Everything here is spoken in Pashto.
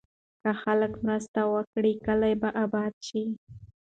که خلک مرسته وکړي، کلي به اباد شي.